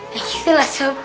gitu lah sob